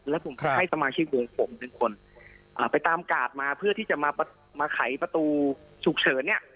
แล้วผมก็ให้สมาชิกวงผมหนึ่งคนไปตามกาดมาเพื่อที่จะมาไขประตูฉุกเฉินเนี่ย